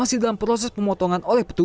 masuk lagi masuk lagi